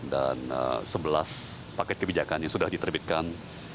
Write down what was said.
dan sebelas paket kebijakan yang sudah diterbitkan